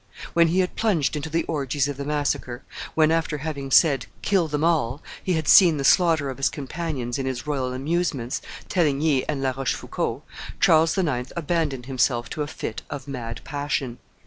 When he had plunged into the orgies of the massacre, when, after having said, "Kill them all!" he had seen the slaughter of his companions in his royal amusements, Teligny and La Rochefoucauld, Charles IX. abandoned himself to a fit of mad passion.